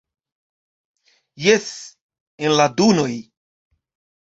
Jes, en la dunoj!